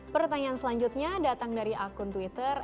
pertanyaan selanjutnya datang dari akun twitter